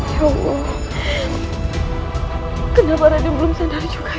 ya allah kenapa raden belum sandari juga ya allah